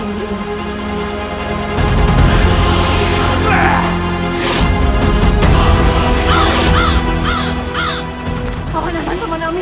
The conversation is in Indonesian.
jangan lupa untuk tersoyakmern di dunia army nia divertisi